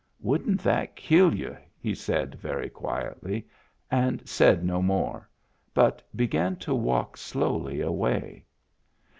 " Wouldn't that kill you ?" he said very quietly ; and said no more, but began to walk slowly away.